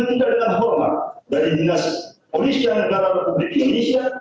tidak dengan hormat dari dinas kepolisian negara republik indonesia